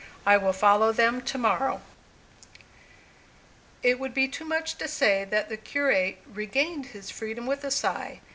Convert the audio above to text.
I follow them to morrow." It would be too much to say that the curate "regained his freedom with a sigh."